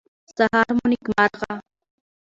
سهار مو نیکمرغه.